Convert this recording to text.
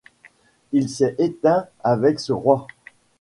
Il s'est éteint avec ce roi.